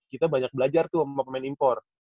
kita banyak belajar tuh sama pemain impor